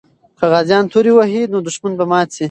که غازیان تورو وهي، نو دښمن به مات سي.